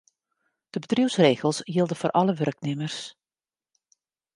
De bedriuwsregels jilde foar alle wurknimmers.